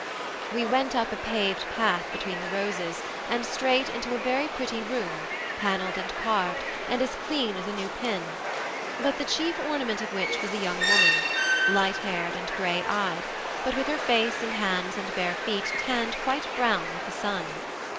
We went up a paved path between the roses, and straight into a very pretty room, panelled and carved, and as clean as a new pin; but the chief ornament of which was a young woman, light haired and grey eyed, but with her face and hands and bare feet tanned quite brown with the sun.